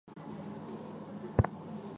几天后好不容易找到了